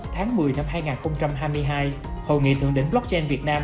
tháng một mươi năm hai nghìn hai mươi hai hội nghị thượng đỉnh blockchain việt nam